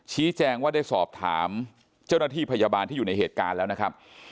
ชี้แจงว่าได้สอบถามเจ้าหน้าที่พยาบาลที่อยู่ในเหตุการณ์แล้วนะครับ